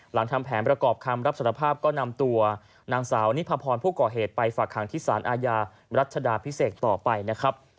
ทำแผนประกอบคำรับสารภาพก็นำตัวนางสาวนิพพรผู้ก่อเหตุไปฝากหางที่สารอาญารัชดาพิเศษต่อไปนะครับ